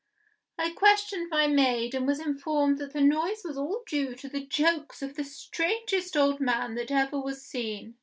I questioned my maid, and was informed that the noise was all due to the jokes of the strangest old man that ever was seen.